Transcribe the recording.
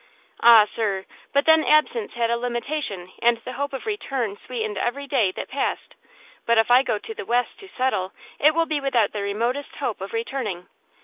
"Ah, sir; but then absence had a limitation, and the hope of return sweetened every day that passed; but if I go to the West to settle it will be without the remotest hope of returning!"